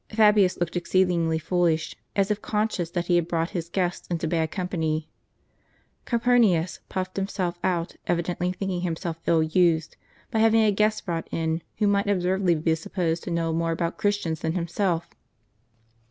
Fabius looked exceedingly foolish, as if conscious that he had brought his guests into bad company. Calpur nius puffed himself out, evidently thinking himself ill used, by having a guest brought in, who might absurdly be supposed to know more about Christians than himself.